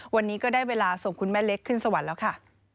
วันนี้ก็ได้เวลาส่งคุณแม่เล็กขึ้นสวรรค์แล้วค่ะ